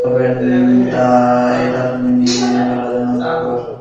Gates of eternity খোলার জন্য এটা লাগবে ওর।